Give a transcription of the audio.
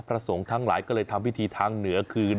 สงฆ์ทั้งหลายก็เลยทำพิธีทางเหนือคืน